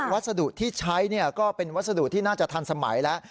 วัสดุที่ใช้ก็เป็นวัสดุที่น่าจะทันสมัยแล้ว